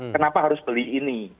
kenapa harus beli ini